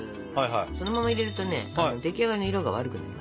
そのまま入れるとね出来上がりの色が悪くなります。